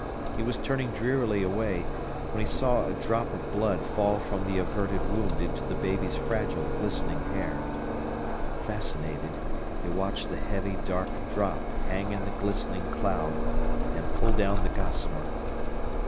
He was turning drearily away, when he saw a drop of blood fall from the averted wound into the baby's fragile, glistening hair. Fascinated, he watched the heavy dark drop hang in the glistening cloud, and pull down the gossamer.